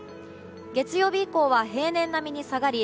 月曜日以降は平年並みに下がり